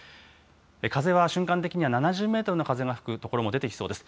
風は瞬間的には７０メートルの風が吹く所も出てきそうです。